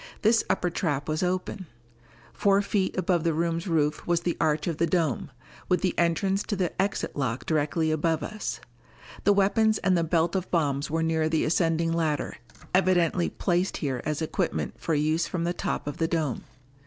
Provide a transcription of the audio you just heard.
This upper trap was open. Four feet above the room's roof was the arch of the dome, with the entrance to the exit lock directly above us. The weapons and the belt of bombs were near the ascending ladder, evidently placed here as equipment for use from the top of the dome.